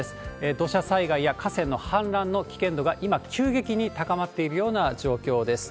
土砂災害や河川の氾濫の危険度が今急激に高まっているような状況です。